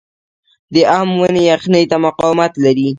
د ام ونې یخنۍ ته مقاومت لري؟